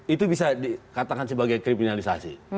itu bisa dikatakan sebagai kriminalisasi